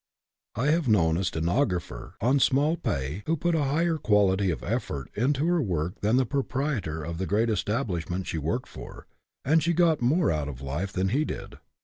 I have known a stenographer on small pay who put a higher quality of effort into her work than the proprietor of the great estab lishment she worked for, and she got more out of life than he did.